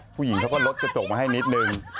ผู้หญิงเขาก็ลดกระจกมาให้นิดนึง